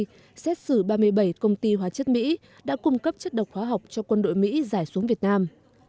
trong khi xét xử ba mươi bảy công ty hóa chất mỹ đã cung cấp chất độc hóa học cho quân đội mỹ giải xuống việt nam